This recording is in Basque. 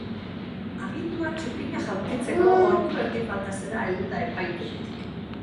Agindua txupina jaurtitzeko ordu erdi falta zela heldu da epaitegitik.